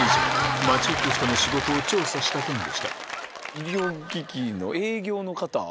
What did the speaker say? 医療機器の営業の方。